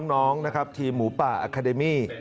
น้องนะครับทีมหมูป่าอาคาเดมี่